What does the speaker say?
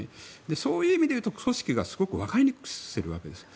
そういう意味で言うと組織がすごくわかりにくくしているわけです。